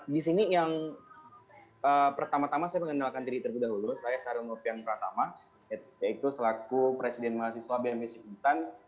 di sini yang pertama tama saya mengenalkan diri terlebih dahulu saya sarul nurfian pratama yaitu selaku presiden mahasiswa bms intan